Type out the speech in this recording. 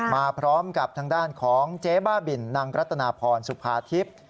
มาพร้อมกับทางด้านของเจ๊บ้าบินนางรัตนาพรสุภาทิพย์